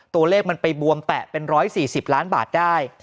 ตัวเลขมันไปบวมแตะเป็น๑๔๐ล้านบาทได้